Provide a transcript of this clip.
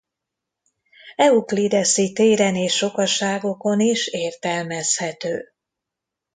Euklideszi téren és sokaságokon is értelmezhető.